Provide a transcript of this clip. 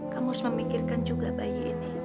kamu harus memikirkan juga bayi ini